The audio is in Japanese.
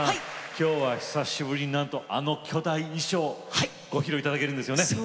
今日は久しぶりになんとあの巨大衣装ご披露いただけるんですね。